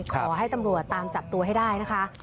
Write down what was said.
ขอให้ตำรวจตามจับตัวให้ได้นะคะ